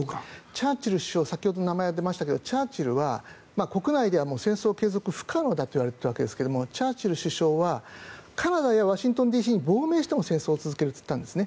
チャーチル首相先ほど話が出ましたが国内では戦争継続不可能だと言われていましたがチャーチル首相はカナダやワシントンＤＣに亡命しても戦争を続けるって言ったんですね。